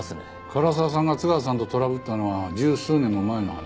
唐沢さんが津川さんとトラブったのは十数年も前の話。